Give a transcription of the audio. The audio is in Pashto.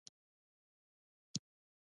د احتراق عملیه څه ډول ده.